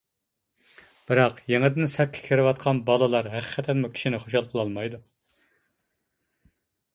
بىراق، يېڭىدىن سەپكە كىرىۋاتقان بالىلار ھەقىقەتەنمۇ كىشىنى خۇشال قىلالمايدۇ.